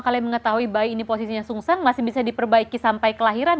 kalian mengetahui bayi ini posisinya sungseng masih bisa diperbaiki sampai kelahiran